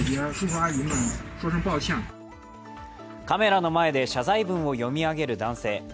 カメラの前で謝罪文を読み上げる男性。